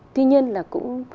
tuy nhiên là cũng